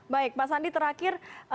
baik pak sandi terakhir